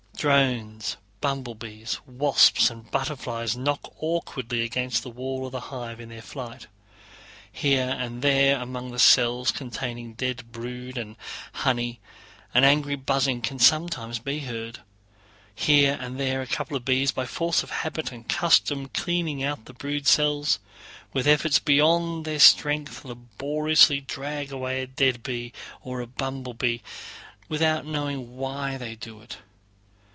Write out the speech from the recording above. Drones, bumblebees, wasps, and butterflies knock awkwardly against the walls of the hive in their flight. Here and there among the cells containing dead brood and honey an angry buzzing can sometimes be heard. Here and there a couple of bees, by force of habit and custom cleaning out the brood cells, with efforts beyond their strength laboriously drag away a dead bee or bumblebee without knowing why they do it.